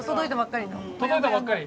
届いたばっかり。